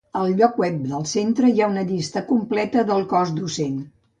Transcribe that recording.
Al lloc web del centre hi ha una llista completa del cos docent.